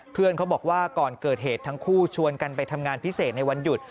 เขาบอกว่าก่อนเกิดเหตุทั้งคู่ชวนกันไปทำงานพิเศษในวันหยุด